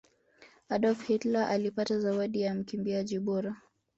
adolf hitler alipata zawadi ya mkimbiaji bora